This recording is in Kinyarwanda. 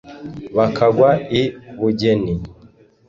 bakagwa i bugeni.